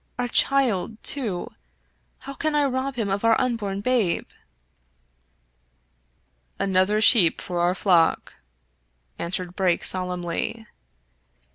Our child, too— how can I rob him of our unborn babe ?" "Another sheep for our flock," answered Brake sol emnly.